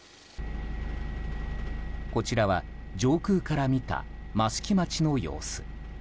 こちらは上空から見た益城町の様子。